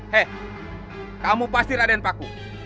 hei kamu pasti raden paku